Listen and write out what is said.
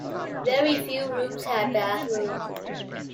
Very few rooms had bathrooms.